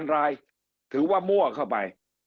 ๙๖๐๐๐รายถือว่ามั่วเข้าไป